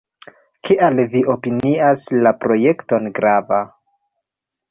Kial vi opinias la projekton grava?